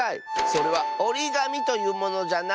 それはおりがみというものじゃな。